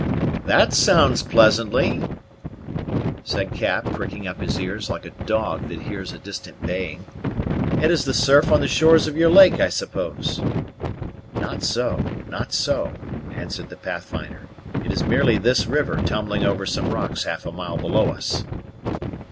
"That sounds pleasantly," said Cap, pricking up his ears like a dog that hears a distant baying; "it is the surf on the shores of your lake, I suppose?" "Not so not so," answered the Pathfinder; "it is merely this river tumbling over some rocks half a mile below us."